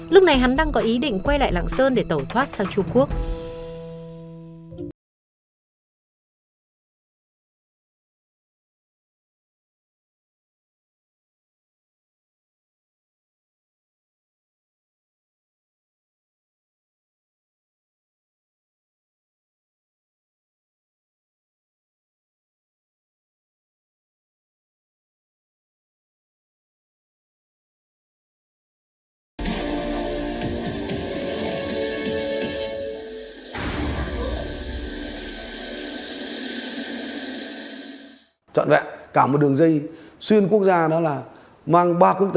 lúc này hắn đang có ý định quay lại lạng sơn để tẩu thoát sang trung quốc